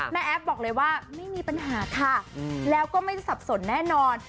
แอฟบอกเลยว่าไม่มีปัญหาค่ะแล้วก็ไม่ได้สับสนแน่นอน